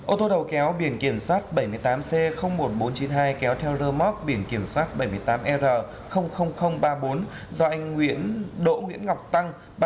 ô tô đầu kéo biển kiểm soát bảy mươi tám c một nghìn bốn trăm chín mươi hai kéo theo rơ móc biển kiểm soát bảy mươi tám r ba mươi bốn do anh đỗ nguyễn ngọc tăng